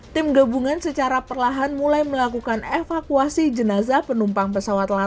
tim gabungan secara perlahan mulai melakukan evakuasi jenazah penumpang pesawat latih